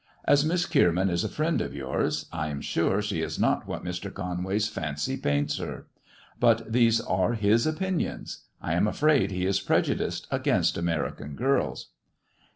As Miss Kierman is a friend of yours, I am sure she is not what Mr. Conway's fancy paints her. But these are his opinions. I am afraid he is prejudiced against American girls.'